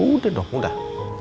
udah dong udah